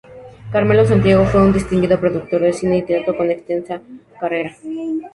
Carmelo Santiago fue un distinguido productor de cine y teatro con una extensa carrera.